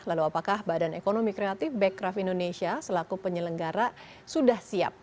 lalu apakah badan ekonomi kreatif beckraf indonesia selaku penyelenggara sudah siap